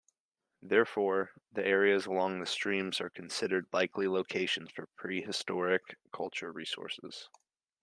Therefore, the areas along streams are considered likely locations for prehistoric cultural resources.